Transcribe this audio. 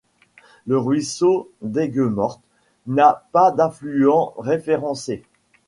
Le ruisseau d'Aiguemorte n'a pas d'affluent référencé.